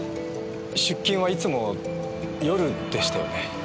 出勤はいつも夜でしたよね。